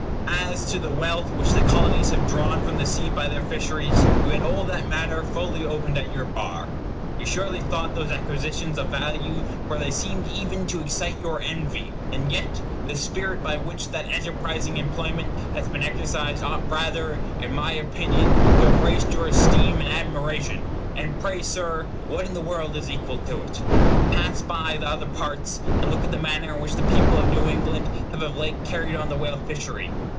As to the wealth which the Colonies have drawn from the sea by their fisheries, you had all that matter fully opened at your bar. You surely thought those acquisitions of value, for they seemed even to excite your envy; and yet the spirit by which that enterprising employment has been exercised ought rather, in my opinion, to have raised your esteem and admiration. And pray, Sir, what in the world is equal to it? Pass by the other parts, and look at the manner in which the people of New England have of late carried on the whale fishery.